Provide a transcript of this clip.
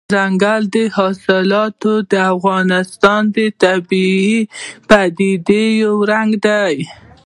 دځنګل حاصلات د افغانستان د طبیعي پدیدو یو رنګ دی.